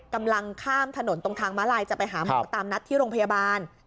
กำลังข้ามถนนตรงทางม้าลายจะไปหาหมอตามนัดที่โรงพยาบาล